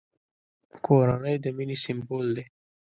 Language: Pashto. کورنۍ د مینې سمبول دی!